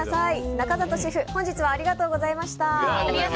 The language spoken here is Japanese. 中里シェフ本日はありがとうございました。